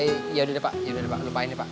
iya pak yaudah pak lupain ya pak